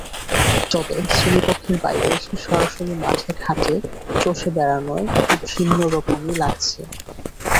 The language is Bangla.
তবে শ্রেণীকক্ষের বাইরে এসে সরাসরি মাঠে-ঘাটে চষে বেড়ানোয় ভিন্ন রকমই লাগছে।